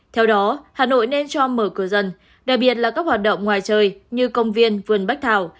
theo đó hà nội nên cho mở cửa dần đặc biệt là các hoạt động ngoài trời như công viên vườn bách thảo